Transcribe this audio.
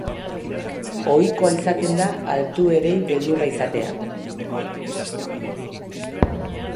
Ohikoa izaten da altuerei beldurra izatea.